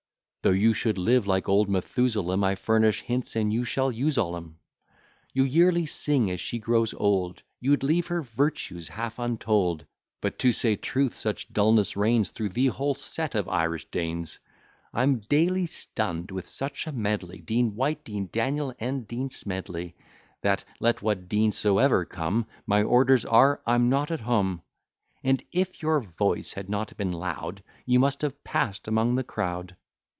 Though you should live like old Methusalem, I furnish hints and you shall use all 'em, You yearly sing as she grows old, You'd leave her virtues half untold. But, to say truth, such dulness reigns, Through the whole set of Irish deans, I'm daily stunn'd with such a medley, Dean White, Dean Daniel, and Dean Smedley, That, let what dean soever come, My orders are, I'm not at home; And if your voice had not been loud, You must have pass'd among the crowd.